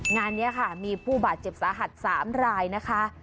งานนี้ค่ะมีผู้บาดเจ็บสาหัส๓รายนะคะ